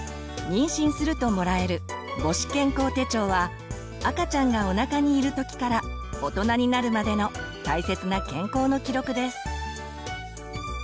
妊娠するともらえる母子健康手帳は赤ちゃんがおなかにいる時から大人になるまでの大切な健康の記録です。